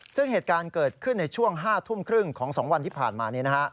ซึ่งเหตุการณ์เกิดขึ้นในช่วง๕ทุ่มครึ่งของ๒วันที่ผ่านมานี้